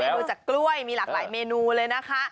ดูจากกล้วยมีหลากหลายเมนูเลยนะคะ